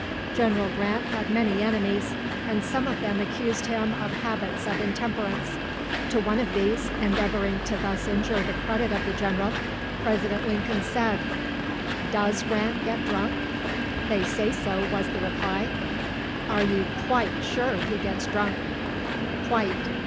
General Grant had many enemies, and some of them accused him of habits of intemperance. To one of these, endeavouring to thus injure the credit of the General, President Lincoln said, "Does Grant get drunk?" "They say so," was the reply. "Are you quite sure he gets drunk?" "Quite."